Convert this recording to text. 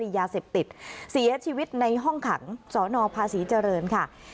ยาเสพติดเสียชีวิตในห้องขังสนภาษีเจริญค่ะ